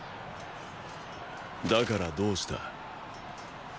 だからどうした。